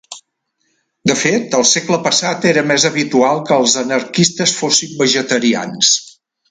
De fet al segle passat era més habitual que els anarquistes fossin vegetarians.